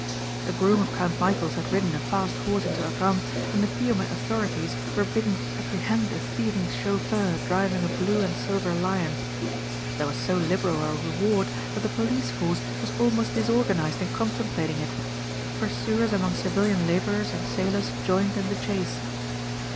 A groom of Count Michæl's had ridden a fast horse into Agram and the Fiume authorities were bidden apprehend a thieving chauffeur driving a blue and silver Lion. There was so liberal a reward that the police force was almost disorganized in contemplating it. Pursuers among civilian laborers and sailors joined in the chase.